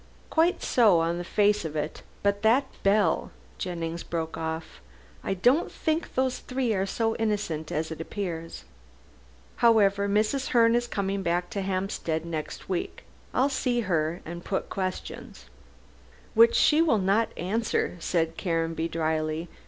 "Quite so, on the face of it. But that bell " Jennings broke off. "I don't think those three are so innocent as appears. However, Mrs. Herne is coming back to her Hampstead house next week; I'll see her and put questions." "Which she will not answer," said Caranby drily.